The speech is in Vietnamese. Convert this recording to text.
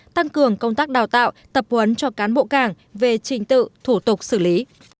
tăng cường công tác đào tạo tập huấn cho cán bộ cảng về trình tự thủ tục xử lý